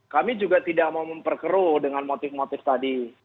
kami juga tidak mau memperkeruh dengan motif motif tadi